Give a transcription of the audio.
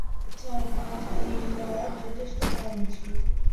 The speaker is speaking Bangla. চার পা চালিয়ে যাওয়ার যথেষ্ট কারণ ছিল।